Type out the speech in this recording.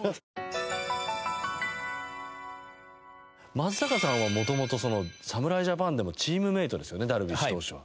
松坂さんはもともと侍ジャパンでもチームメートですよねダルビッシュ投手は。